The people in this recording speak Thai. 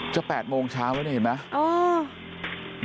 ๘โมงเช้าแล้วนี่เห็นไหม